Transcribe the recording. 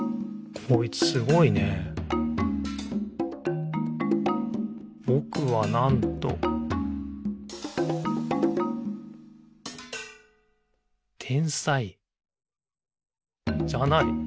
こいつすごいね「ぼくは、なんと・・」「天才」じゃない！？